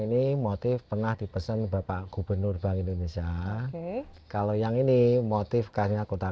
ini motif pernah dipesan bapak gubernur bank indonesia kalau yang ini motif khasnya kota